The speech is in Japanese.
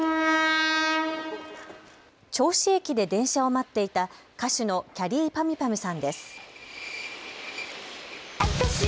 銚子駅で電車を待っていた歌手のきゃりーぱみゅぱみゅさんです。